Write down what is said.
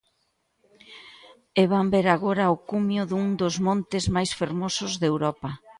E van ver agora o cumio dun dos montes máis fermosos de Europa.